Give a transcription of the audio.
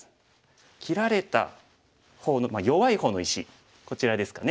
切られた方の弱い方の石こちらですかね。